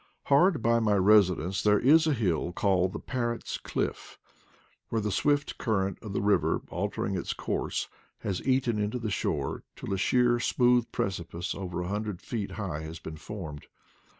Hard by my residence there is a hill called the " Parrots 9 Cliff," where the swift current of the river, altering its course, has eaten into the shore till a sheer smooth precipice over a hundred feet high has been formed.